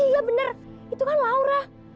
iya benar itu kan laura